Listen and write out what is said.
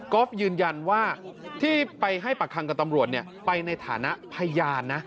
ก็ยืนยันว่าที่ไปให้ปากคำกับตำรวจไปในฐานะพยานนะ